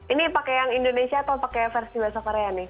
ini pakai yang indonesia atau pakai versi bahasa korea nih